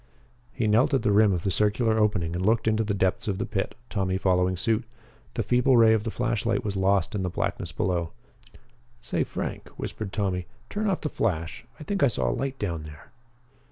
He knelt at the rim of the circular opening and looked into the depths of the pit, Tommy following suit. The feeble ray of the flashlight was lost in the blackness below. "Say, Frank," whispered Tommy, "turn off the flash. I think I saw a light down there."